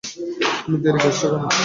তুমি দেরি করেছ।